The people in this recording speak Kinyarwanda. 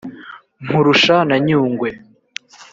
Nkurusha na Nyungwe,